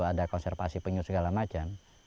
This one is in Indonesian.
ada konservasi penyu segala macam